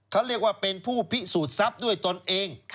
เขาเรียกว่าเป็นผู้พิสูจน์ทรัพย์ด้วยตนเอง